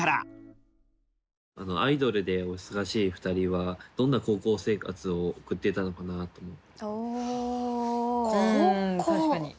アイドルでお忙しい二人はどんな高校生活を送っていたのかなと思って。